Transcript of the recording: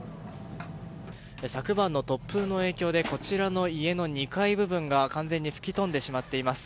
昨晩の突風の影響でこちらの家の２階部分が完全に吹き飛んでしまっています。